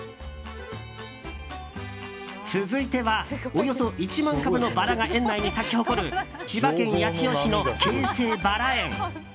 続いては、およそ１万株のバラが園内に咲き誇る千葉県八千代市の京成バラ園。